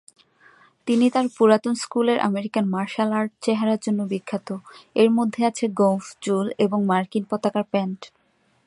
তিনি তার "পুরাতন স্কুল" -এর আমেরিকান মার্শাল আর্ট চেহারার জন্য বিখ্যাত, এর মধ্যে আছে গোঁফ, চুল এবং মার্কিন পতাকার প্যান্ট।